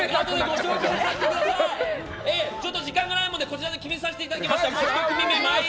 時間がないもんでこちらで決めさせていただきます。